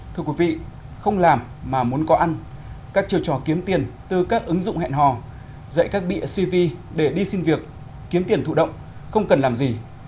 thưa quý vị không làm mà muốn có ăn các chiều trò kiếm tiền từ các ứng dụng hẹn hò dạy các bịa cv để đi xin việc kiếm tiền thụ động không cần làm gì